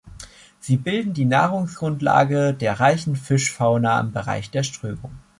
Sie bilden die Nahrungsgrundlage der reichen Fischfauna im Bereich der Strömung.